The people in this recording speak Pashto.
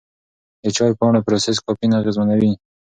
د چای پاڼو پروسس کافین اغېزمنوي.